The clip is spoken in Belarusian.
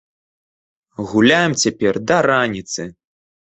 Гуляем цяпер да раніцы!